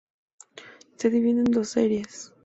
Se divide en dos series.